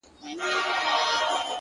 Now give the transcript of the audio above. • د وحشت؛ په ښاریه کي زندگي ده ـ